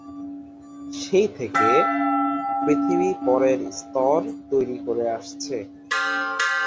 সেই থেকে, পৃথিবী পরের স্তর তৈরি করে আসছে।